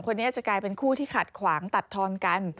คนนี้จะกลายเป็นคู่ที่ขัดขวางตัดทอนกัน